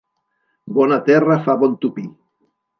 Bona terra fa bon tupí.